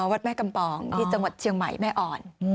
วัดแม่กำปองที่จังหวัดเชียงใหม่แม่อ่อน